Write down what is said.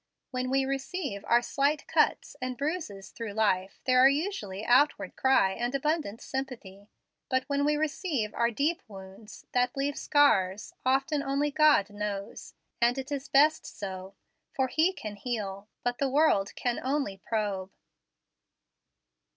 When we receive our slight cuts and bruises through life, there are usually outcry and abundant sympathy. But when we receive our deep wounds, that leave scars, often only God knows; and it is best so, for He can heal, but the world can only probe.